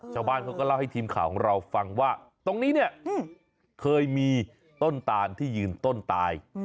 ชาวบ้านเขาก็เล่าให้ทีมข่าวของเราฟังว่าตรงนี้เนี่ยเคยมีต้นตานที่ยืนต้นตาย